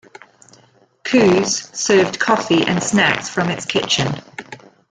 Koo's served coffee and snacks from its kitchen.